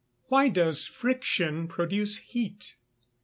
_Why does friction produce heat?